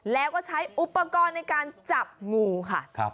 แล้วก็ใช้อุปกรณ์ในการจับงูค่ะ